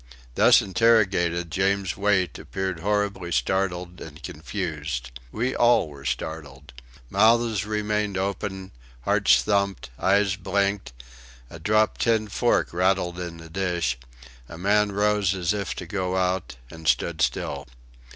Thus interrogated, James Wait appeared horribly startled and confused. We all were startled. Mouths remained open; hearts thumped, eyes blinked; a dropped tin fork rattled in the dish; a man rose as if to go out, and stood still.